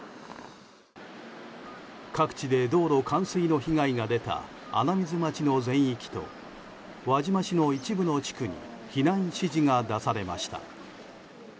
各地で道路冠水の被害が出た穴水町の全域と輪島市の一部の地区に避難指示が出されました。